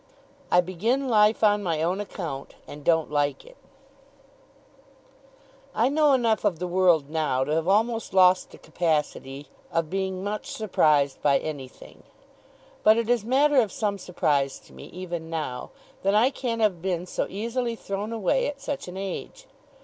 I BEGIN LIFE ON MY OWN ACCOUNT, AND DON'T LIKE IT I know enough of the world now, to have almost lost the capacity of being much surprised by anything; but it is matter of some surprise to me, even now, that I can have been so easily thrown away at such an age.